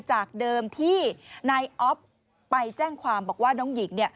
จากเดิมที่นายอ๊อฟไปแจ้งความบอกว่าน้องหญิง